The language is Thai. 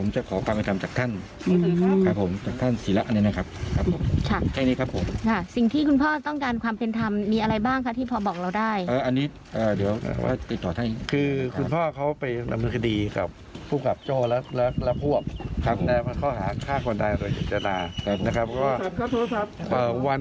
ใช่ค่ะ